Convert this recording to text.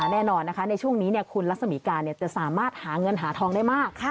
แน่นอนนะคะในช่วงนี้คุณรัศมีการจะสามารถหาเงินหาทองได้มาก